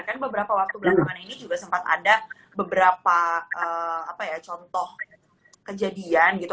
kan beberapa waktu belakangan ini juga sempat ada beberapa contoh kejadian gitu